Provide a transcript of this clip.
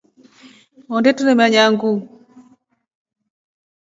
Honde tunemanya nguu.